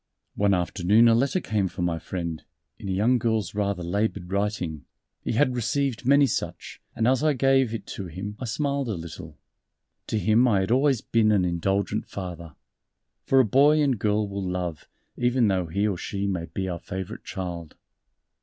One afternoon a letter came for my friend in a young girl's rather labored writing he had received many such, and as I gave it to him I smiled a little. To him I had always been an indulgent Father for a boy and girl will love, even though he or she may be our favorite child.